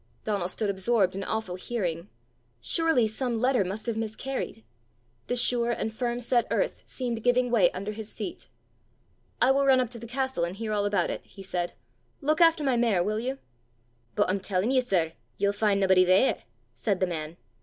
Donal stood absorbed in awful hearing. Surely some letter must have miscarried! The sure and firm set earth seemed giving way under his feet. "I will run up to the castle, and hear all about it," he said. "Look after my mare, will you?" "But I'm tellin' ye, sir, ye'll fin' naebody there!" said the man.